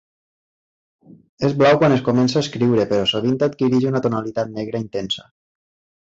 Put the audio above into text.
És blau quan es comença a escriure però sovint adquireix una tonalitat negra intensa.